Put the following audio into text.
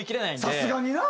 さすがにな。